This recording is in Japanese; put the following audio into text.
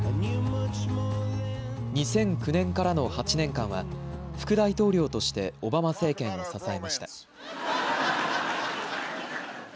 ２００９年からの８年間は副大統領としてオバマ政権を支えました。